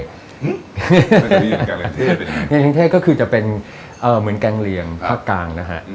แกงเลียงเท่ก็คือจะเป็นเหมือนแกงเลียงภาคกลางนะฮะ